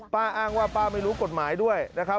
อ้างว่าป้าไม่รู้กฎหมายด้วยนะครับ